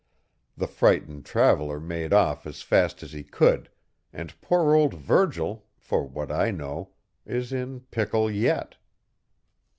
The frightened traveller made off as fast as he could, and poor old Virgil, for what I know, is in pickle yet.